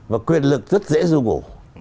và quyền lực rất dễ ru ngủ